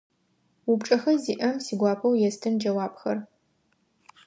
Упчӏэхэ зиӏэм сигуапэу естын джэуапхэр.